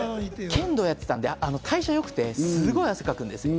剣道をやってたので、代謝がいいので、すごい汗かくんですよ。